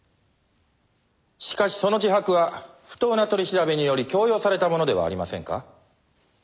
しかしその自白は不当な取り調べにより強要されたものではありませんか？